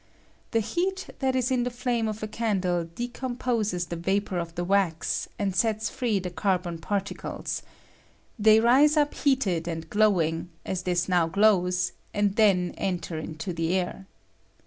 The heat that is in the flame of a candle decomposes the va por of the wax, and sets free the carbon par ticles ; they rise up heated and glowing as this now glows, and then enter into the air.